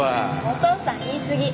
お父さん言いすぎ。